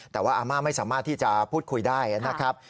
แต่ว่าอาม่าไม่สามารถที่จะพูดคุยได้นะครับ